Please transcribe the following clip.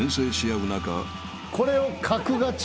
これを。